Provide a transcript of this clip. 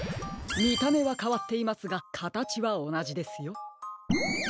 みためはかわっていますがかたちはおなじですよ。